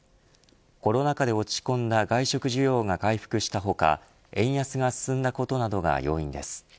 コロナ禍で落ち込んだ外食需要が回復した他円安が進んだことなどが要因です。